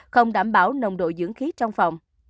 không đảm bảo nồng độ dưỡng khí trong phòng